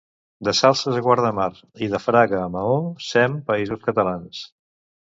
De Salses a Guardamar i de Fraga a Maó sem Països Catalans